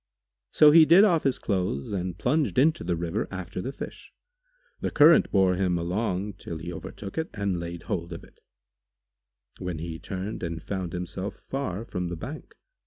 So he did off his clothes and plunged into the river after the fish. The current bore him along till he overtook it and laid hold of it, when he turned and found himself far from the bank.